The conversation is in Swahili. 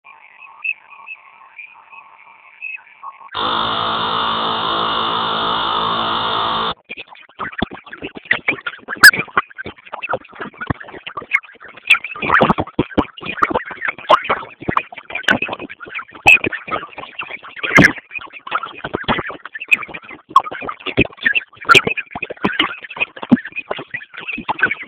Uganda ilikusanya dola milioni arobaine